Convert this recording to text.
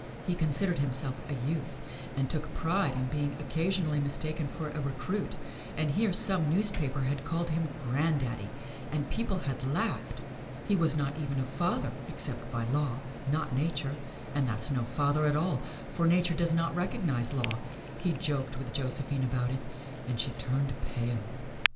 He considered himself a youth and took a pride in being occasionally mistaken for a recruit, and here some newspaper had called him "granddaddy," and people had laughed! He was not even a father, except by law not Nature and that's no father at all, for Nature does not recognize law. He joked with Josephine about it, and she turned pale.